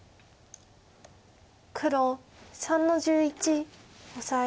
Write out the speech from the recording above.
黒３の十一オサエ。